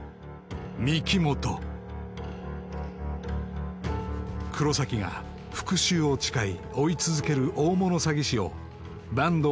御木本黒崎が復讐を誓い追い続ける大物詐欺師を坂東